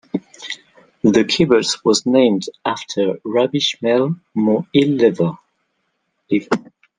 The kibbutz was named after Rabbi Shmuel Mohilever.